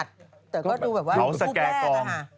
แต่ก็ก็ดูแบบว่ารูปแรกนะฮะ